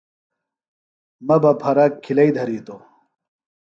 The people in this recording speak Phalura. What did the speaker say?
مہ بہ پھرہ کِھلئیۡ دھرِیتوۡ